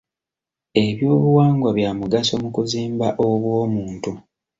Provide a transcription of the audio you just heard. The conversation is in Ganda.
Ebyobuwangwa bya mugaso mu kuzimba obw'omuntu